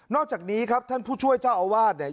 อกจากนี้ครับท่านผู้ช่วยเจ้าอาวาสเนี่ย